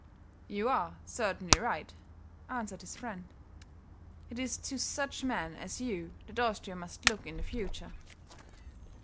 "You are certainly right," answered his friend. "It is to such men as you that Austria must look in the future."